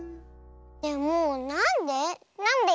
でもなんで？